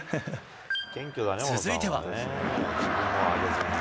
続いては。